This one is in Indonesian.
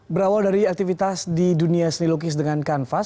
berawal dari aktivitas di dunia seni lukis dengan kanvas